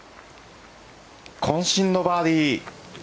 こん身のバーディー。